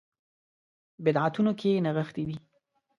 بدعتونو کې نغښې ده.